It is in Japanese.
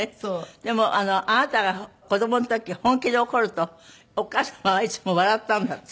でもあなたが子供の時本気で怒るとお母様はいつも笑ったんだって？